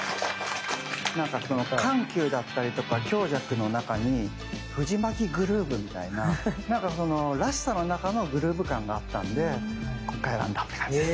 なんか緩急だったりとか強弱の中に藤牧グルーブみたいななんかそのらしさの中のグルーブ感があったんで今回選んだって感じです。